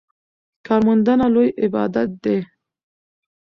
کارموندنه لوی عبادت دی.